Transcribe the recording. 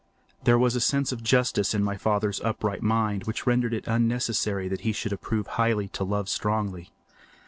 There was a sense of justice in my father's upright mind which rendered it necessary that he should approve highly to love strongly.